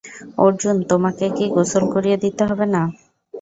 অর্জুন, তোমাকে কি গোসল করিয়ে দিতে হবে না?